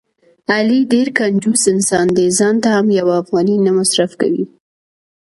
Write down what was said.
علي ډېر کنجوس انسان دی.ځانته هم یوه افغانۍ نه مصرف کوي.